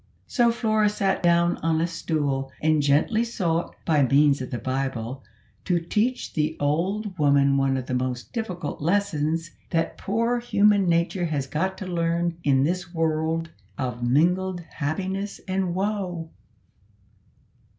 So Flora sat down on a stool, and gently sought, by means of the Bible, to teach the old woman one of the most difficult lessons that poor human nature has got to learn in this world of mingled happiness and woe.